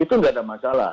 itu nggak ada masalah